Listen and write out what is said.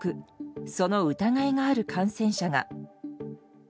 その疑いがある感染者が。